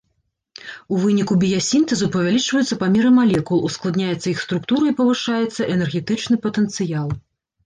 У выніку біясінтэзу павялічваюцца памеры малекул, ускладняецца іх структура і павышаецца энергетычны патэнцыял.